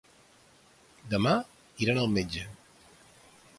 Demà iran al metge.